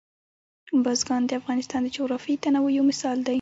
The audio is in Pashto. بزګان د افغانستان د جغرافیوي تنوع یو مثال دی.